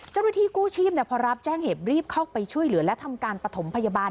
เจ้าหน้าที่กู้ชีพพอรับแจ้งเหตุรีบเข้าไปช่วยเหลือและทำการปฐมพยาบาล